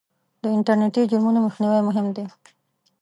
د انټرنېټي جرمونو مخنیوی مهم دی.